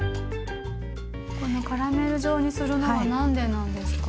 このカラメル状にするのは何でなんですか？